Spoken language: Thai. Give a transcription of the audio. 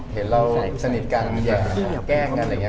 เห็นเราสนิทกันอย่าแกล้งกันอะไรอย่างนี้